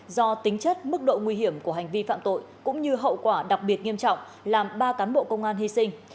do tính chất mức độ nguy hiểm của hành vi phạm tội cũng như hậu quả đặc biệt nghiêm trọng làm ba cán bộ công an hy sinh